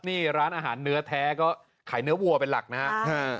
นี่ร้านอาหารเนื้อแท้ก็ขายเนื้อวัวเป็นหลักนะครับ